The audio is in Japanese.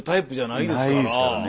ないですからね。